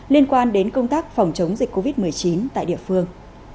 liên quan đến công tác phòng chống dịch covid một mươi chín tại địa phương